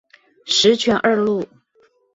十全二路